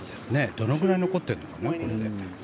どのぐらい残ってるのかな。